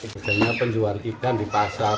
misalnya penjual ikan di pasar